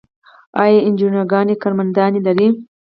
آیا انجیوګانې کارمندان لري؟